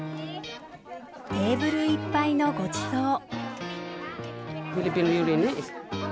テーブルいっぱいのごちそう。